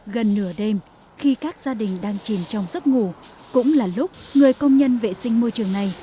gần nửa đêm khi các gia đình đang chìm trong giấc ngủ cũng là lúc người công nhân vệ sinh môi trường này